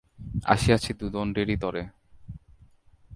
আসিয়াছি দুদণ্ডেরি তরে।